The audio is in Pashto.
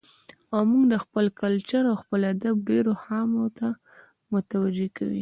او موږ د خپل کلچر او خپل ادب ډېرو خاميو ته متوجه کوي.